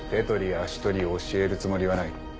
足取り教えるつもりはない。